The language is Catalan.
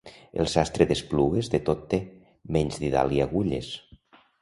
El sastre d'Esplugues de tot té, menys didal i agulles.